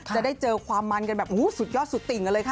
จะได้เจอความมันกันแบบสุดยอดสุดติ่งกันเลยค่ะ